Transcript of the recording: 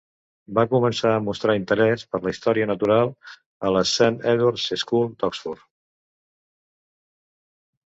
Va començar a mostrar interès per la història natural a la Saint Edward's School d'Oxford.